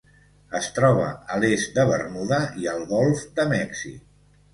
Es troba a l'est de Bermuda i al Golf de Mèxic.